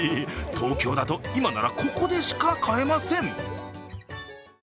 東京だと今ならここでしか買えません。